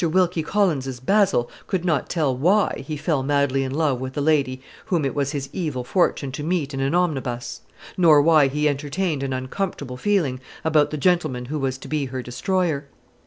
Wilkie Collins's Basil could not tell why he fell madly in love with the lady whom it was his evil fortune to meet in an omnibus; nor why he entertained an uncomfortable feeling about the gentleman who was to be her destroyer.